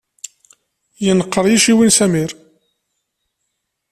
Yenqer yiciwi n Samir.